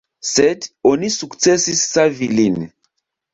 Sed oni sukcesis savi lin.